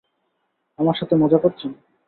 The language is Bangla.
আমার সাথে মজা করছেন!